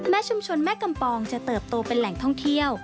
ชุมชนแม่กำปองจะเติบโตเป็นแหล่งท่องเที่ยว